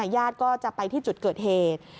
ญาติก็จะไปที่จุดเกิดเหตุ